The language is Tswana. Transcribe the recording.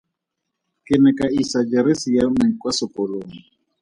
Ke ne ka isa jeresi ya me kwa sekolong.